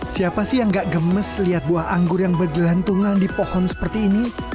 siapa sih yang gak gemes lihat buah anggur yang bergelantungan di pohon seperti ini